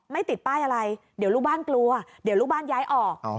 ติดป้ายอะไรเดี๋ยวลูกบ้านกลัวเดี๋ยวลูกบ้านย้ายออก